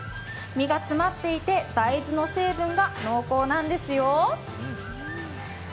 身が詰まっていて、大豆の成分が濃厚なんですよ。